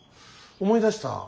思い出した。